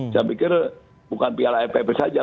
saya pikir bukan piala ffp saja